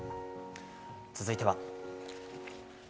続いては。